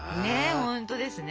本当ですね。